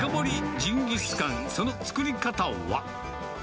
ジンギスカン、その作り方は。